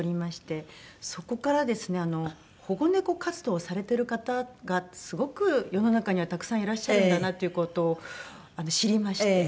そこからですね保護猫活動をされてる方がすごく世の中にはたくさんいらっしゃるんだなという事を知りまして。